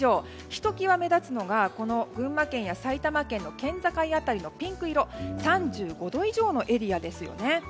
ひと際目立つのが群馬県や埼玉県の県境辺りのピンク色の３５度以上のエリアですよね。